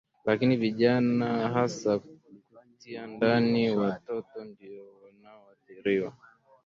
Lakini vijana hasakutia ndani watotondio wanaoathiriwa